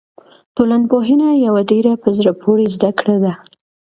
ټولنپوهنه یوه ډېره په زړه پورې زده کړه ده.